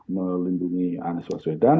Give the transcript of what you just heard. melindungi anies baswedan